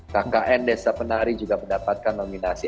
kkn desa penari juga mendapatkan nominasi